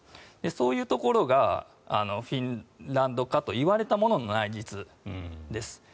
そういうところがフィンランド化といわれたものの内実です。